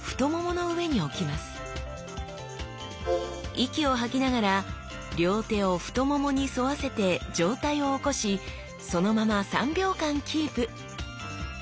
息を吐きながら両手を太ももに沿わせて上体を起こしそのまま３秒間キープ！